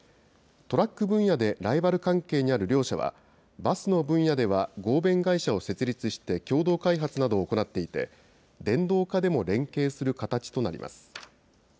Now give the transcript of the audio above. トラック分野でライバル関係にある両社は、バスの分野では合弁会社を設立して共同開発などを行っていて、電動化でも連携する形となります。